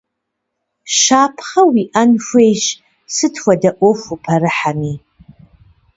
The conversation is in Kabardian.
Щапхъэ уиIэн хуейщ сыт хуэдэ Iуэху упэрыхьэми.